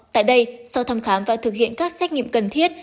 tại đây sau thăm khám và thực hiện các xét nghiệm cần thiết